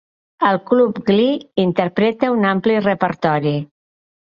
El club Glee interpreta un ampli repertori.